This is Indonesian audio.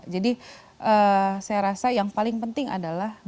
jadi saya rasa yang paling penting adalah berhasil